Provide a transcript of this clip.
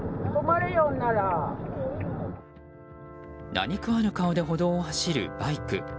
何食わぬ顔で歩道を走るバイク。